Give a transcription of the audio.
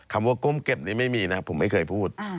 คำว่าก้มเก็บนี่ไม่มีนะผมไม่เคยพูด